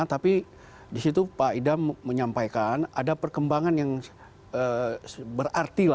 tapi di situ pak idam menyampaikan ada perkembangan yang berarti